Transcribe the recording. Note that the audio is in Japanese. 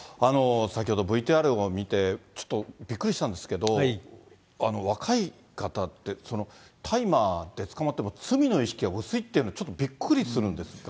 先ほど、ＶＴＲを見て、ちょっとびっくりしたんですけど、若い方って、大麻で捕まっても、罪の意識は薄いというのはちょっとびっくりするんですが。